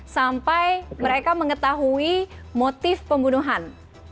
sampai mereka mengetahui motif pembunuhan